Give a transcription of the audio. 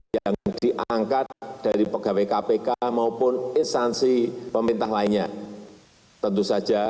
yang diangkat dari pegawai kpk maupun instansi pemerintah lainnya tentu saja